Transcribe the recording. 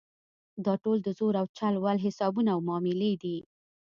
دا ټول د زور او چل ول حسابونه او معاملې دي.